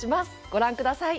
ご覧ください。